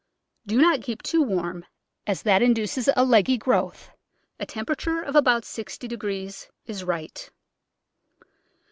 Do not keep too warm, as that induces a leggy growth; a temperature of about 6o° is right.